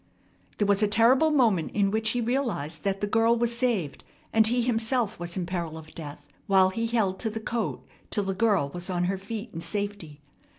There was a terrible moment in which he realized that the girl was saved and he himself was in peril of death, while he held to the coat till the girl was on her feet in safety.